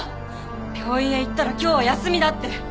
病院へ行ったら今日は休みだって。